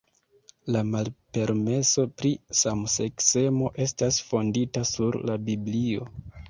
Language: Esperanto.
La malpermeso pri samseksemo estas fondita sur la Biblio.